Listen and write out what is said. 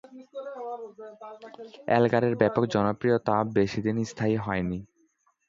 এলগারের ব্যাপক জনপ্রিয়তা বেশি দিন স্থায়ী হয়নি।